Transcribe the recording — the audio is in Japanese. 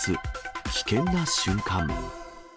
危険な瞬間。